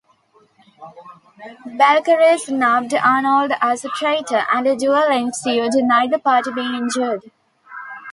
Balcarres snubbed Arnold as a traitor, and a duel ensued, neither party being injured.